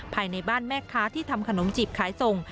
ภายในบ้านแม่ค้าที่ทำขนมจีบขายส่ง